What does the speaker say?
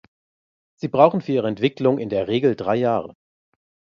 Sie brauchen für ihre Entwicklung in der Regel drei Jahre.